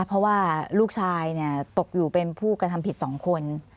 เพราะว่าลูกชายเนี่ยตกอยู่เป็นผู้กำทำผิดสองคน